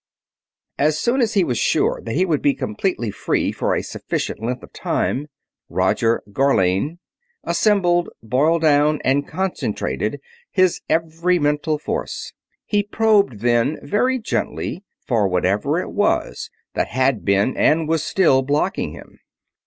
As soon as he was sure that he would be completely free for a sufficient length of time, Roger Gharlane assembled, boiled down and concentrated, his every mental force. He probed then, very gently, for whatever it was that had been and was still blocking him.